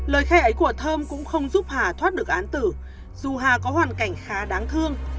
lời khai ấy của thơm cũng không giúp hà thoát được án tử dù hà có hoàn cảnh khá đáng thương